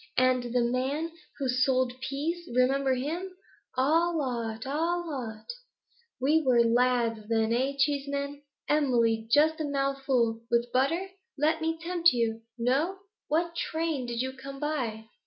And the man who sold peas; remember him? "All 'ot! All 'ot!" We were lads then, eh, Cheeseman? Emily, just a mouthful, with butter? Let me tempt you. No? What train did you come by?'